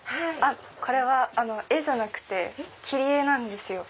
これは絵じゃなくて切り絵なんですよ。